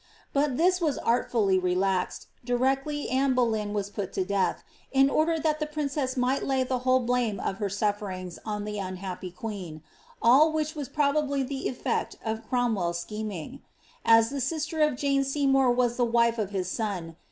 But this was artfully relaxed, directly Anne Boleyn was put to death, in order that the princess might lay the whole blame of her sufferings on the unhappy queen ; all which was probably the effect of Cromweirs schem ing. As the sister of Jane Seymour was the wife of his son.